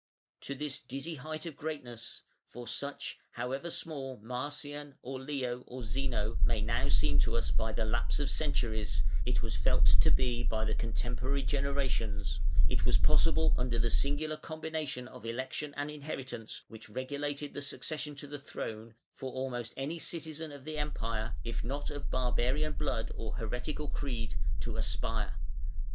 To this dizzy height of greatness for such, however small Marcian or Leo or Zeno may now seem to us by the lapse of centuries, it was felt to be by the contemporary generations it was possible under the singular combination of election and inheritance which regulated the succession to the throne, for almost any citizen of the Empire, if not of barbarian blood or heretical creed, to aspire.